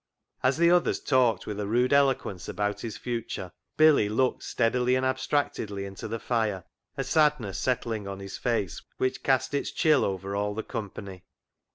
As the others talked with a rude eloquence about his future, Billy looked steadily and abstractedly into the fire, a sad ness settling on his face which cast its chill over all the company.